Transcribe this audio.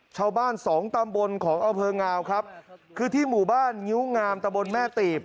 ชาวบ้านสองตำบลของอำเภองาวครับคือที่หมู่บ้านงิ้วงามตะบนแม่ตีบ